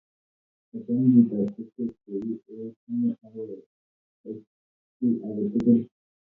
Ocham chit ap kokwet koyou ochamegi akosas chii agetukul